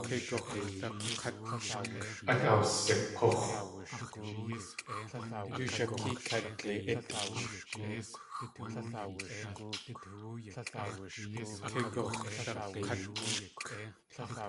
Át awsik̲úx̲.